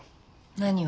何を？